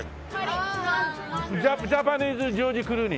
ジャパニーズジョージ・クルーニー。